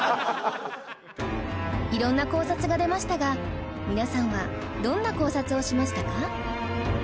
いろんな考察が出ましたが皆さんはどんな考察をしましたか？